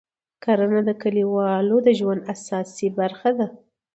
کرنه د کلیوالو د ژوند اساسي برخه ده